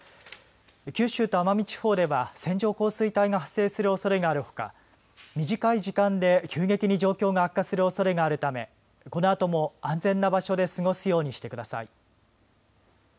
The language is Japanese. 九州と奄美地方では線状降水帯が発生するおそれがあるほか短い時間で急激に状況が悪化するおそれがあるためこのあとも、安全な場所で過ごすようにしてください。